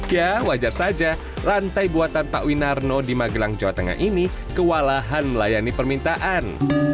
ya wajar saja lantai buatan pak winarno di magelang jawa tengah ini kewalahan melayani permintaan